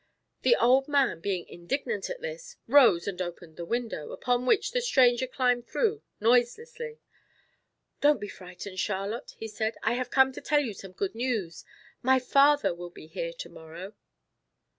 The old man being indignant at this, rose and opened the window, upon which the stranger climbed through noiselessly. "Do not be frightened, Charlotte," he said, "I have come to tell you some good news. My father will be here tomorrow."